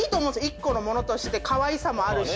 １個のものとしてかわいさもあるし。